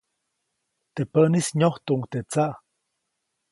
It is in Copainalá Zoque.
Teʼ päʼnis nyojtuʼuŋ teʼ tsaʼ.